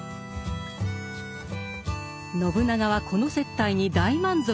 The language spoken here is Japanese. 信長はこの接待に大満足だった。